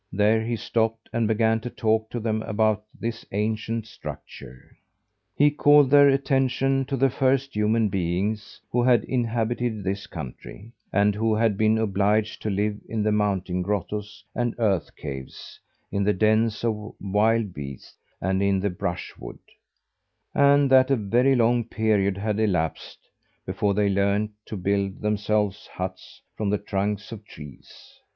There he stopped and began to talk to them about this ancient structure. He called their attention to the first human beings who had inhabited this country, and who had been obliged to live in mountain grottoes and earth caves; in the dens of wild beasts, and in the brushwood; and that a very long period had elapsed before they learned to build themselves huts from the trunks of trees.